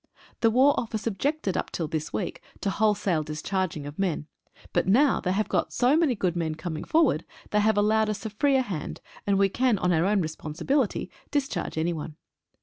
The War Office objected up till this week to wholesale discharging of men, but now they have got so many good men coming forward, they have allowed us a freer hand, and we can on our own responsibility discharge any one.